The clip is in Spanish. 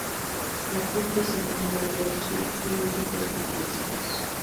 La cruz presenta una grave erosión y múltiples mutilaciones.